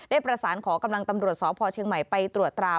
ได้ประสานขอกำลังตำรวจสพเชียงใหม่ไปตรวจตรา